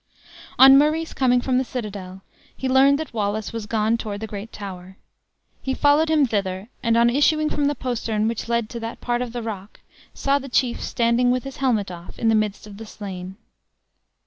On Murray's coming from the citadel, he learned that Wallace was gone toward the great tower. He followed him thither; and on issuing from the postern which led to that part of the rock, saw the chief standing, with his helmet off, in the midst of the slain.